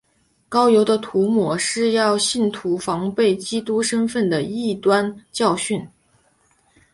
膏油的涂抹是要信徒防备基督身位的异端教训。